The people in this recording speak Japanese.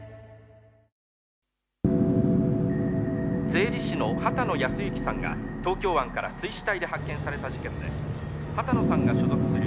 「税理士の秦野靖之さんが東京湾から水死体で発見された事件で秦野さんが所属する」